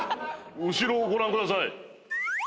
後ろをご覧ください。